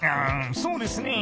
そうですね。